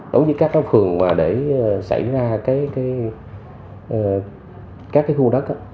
đối với các phường mà để xảy ra các khu đất